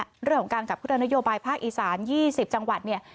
เรื่องของการขับพุทธนโยบายภาคอีสาน๒๐จังหวัดเนี่ย